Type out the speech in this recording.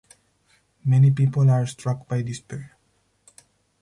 Many people are struck by despair.